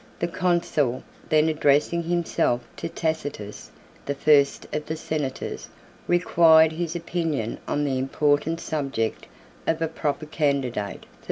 The consul, then addressing himself to Tacitus, the first of the senators, 4 required his opinion on the important subject of a proper candidate for the vacant throne.